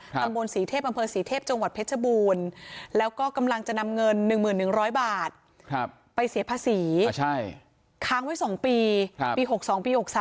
ตำบลศรีเทพบำเภอศรีเทพจังหวัดเพชรบูรณ์แล้วก็กำลังจะนำเงินหนึ่งหมื่นหนึ่งร้อยบาทไปเสียภาษีค้างไว้สองปีปี๖๒ปี๖๓